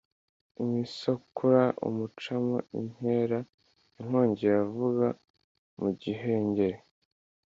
imisakura imucamo inkera, inkongi iravuga mu gihengeri